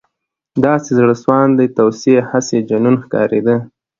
• داسې زړهسواندې توصیې، هسې جنون ښکارېده.